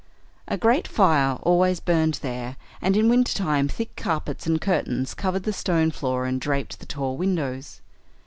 A great fire always burned there, and in wintertime thick carpets and curtains covered the stone floor and draped the tall windows.